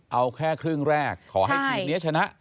เอาแค่ครึ่งแรกขอให้ทีมนี้ชนะ